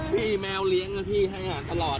พี่แมวเลี้ยงพี่ให้อาหารตลอด